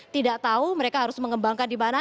tidak tahu mereka harus mengembangkan di mana